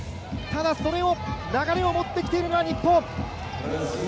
ただそれを、流れを持ってきているのは日本！